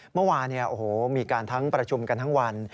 เมื่อวานมีการทั้งประชุมกันทั้งวัน